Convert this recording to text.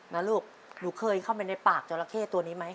ลูกหนูเคยเข้าไปในปากจราเข้ตัวนี้ไหม